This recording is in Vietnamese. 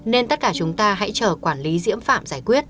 nên tất cả chúng ta hãy chờ quản lý diễm phạm